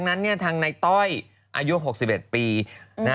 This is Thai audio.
ในโลกออนไลน์